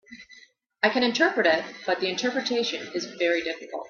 I can interpret it, but the interpretation is very difficult.